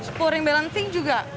sporing balancing juga